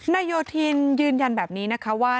โยธินยืนยันแบบนี้นะคะว่า